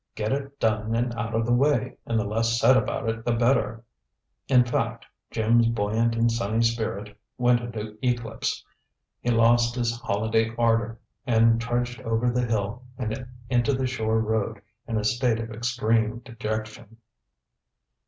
Get it done and out of the way, and the less said about it the better. In fact, Jim's buoyant and sunny spirit went into eclipse; he lost his holiday ardor, and trudged over the hill and into the shore road in a state of extreme dejection.